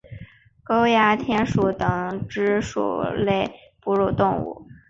沟牙田鼠属等之数种哺乳动物。